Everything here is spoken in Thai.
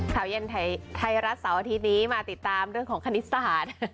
ข่าวเย็นไทยรัฐเสาร์อาทิตย์นี้มาติดตามเรื่องของคณิตศาสตร์